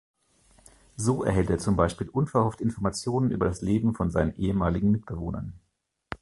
So erhält er zum Beispiel unverhofft Informationen über das Leben von seinen ehemaligen Mitbewohnern.